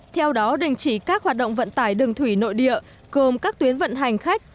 theo đó đình chỉ các hoạt động vận tải đường thủy nội địa gồm các tuyến vận hành khách